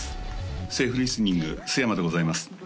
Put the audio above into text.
セーフリスニング須山でございます